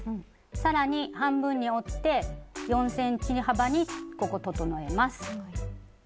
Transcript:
更に半分に折って４ｃｍ幅にここ整えます。